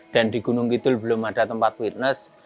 dan di gunung kitul belum ada tempat fitness